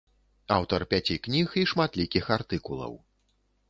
Аўтар пяці кніг і шматлікіх артыкулаў.